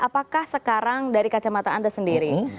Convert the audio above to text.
apakah sekarang dari kacamata anda sendiri